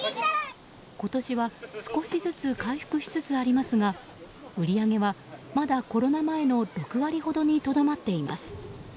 今年は少しずつ回復しつつありますが売り上げはまだコロナ前の６割ほどにとどまっています。